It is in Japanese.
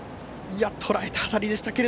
とらえた当たりでしたが。